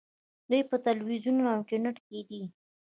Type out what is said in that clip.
دوی په تلویزیون او انټرنیټ کې دي.